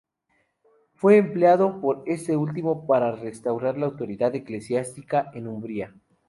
Fue empleado por este último para restaurar la autoridad eclesiástica en Umbría.